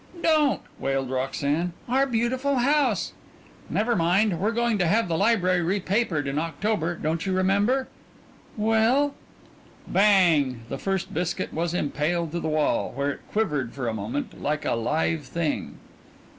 "Don't!" wailed Roxanne. "Our beautiful house." "Never mind. We're going to have the library repapered in October. Don't you remember?" "Well " Bang! The first biscuit was impaled to the wall, where it quivered for a moment like a live thing.